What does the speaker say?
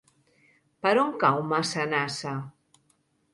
Per on cau Massanassa?